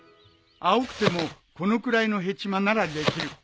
青くてもこのくらいのヘチマならできる。